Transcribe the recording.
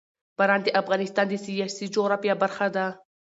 باران د افغانستان د سیاسي جغرافیه برخه ده.